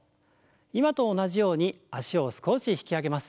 今と同じように脚を少し引き上げます。